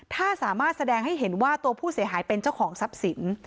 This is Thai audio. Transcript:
ถ้าสามารถแสดงให้เห็นว่าตัวผู้เสียหายเป็นเจ้าของทรัพย์สิน